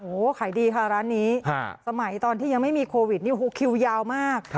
โอ้โหขายดีค่ะร้านนี้สมัยตอนที่ยังไม่มีโควิดนี่คิวยาวมาก